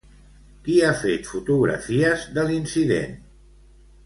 Qui ha fet fotografies de l'incident?